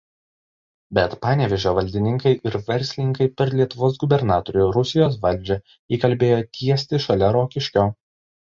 Bet Panevėžio valdininkai ir verslininkai per Lietuvos gubernatorių Rusijos valdžią įkalbėjo tiesti šalia Rokiškio.